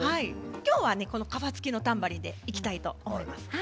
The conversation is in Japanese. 今日は皮付きのタンバリンでいきたいと思います。